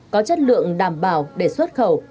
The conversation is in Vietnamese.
có chất lượng đảm bảo để xuất khẩu